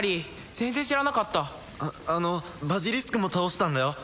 全然知らなかったあのバジリスクも倒したんだよ